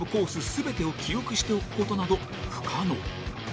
全てを記憶しておくことなど不可能。